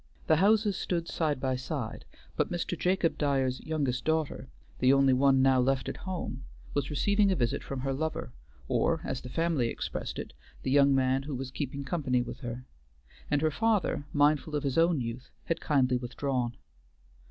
The houses stood side by side, but Mr. Jacob Dyer's youngest daughter, the only one now left at home, was receiving a visit from her lover, or, as the family expressed it, the young man who was keeping company with her, and her father, mindful of his own youth, had kindly withdrawn.